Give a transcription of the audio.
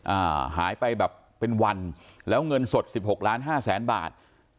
อ่าหายไปแบบเป็นวันแล้วเงินสดสิบหกล้านห้าแสนบาท